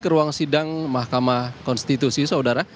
ke ruang sidang mahkamah konstitusi saudara